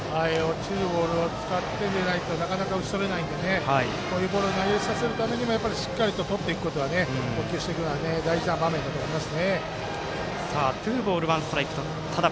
ツーボールになっていくとなかなか、打ち取れないんでこういうボールを投げさせるためにもしっかりと配球していくことが大事な場面だと思います。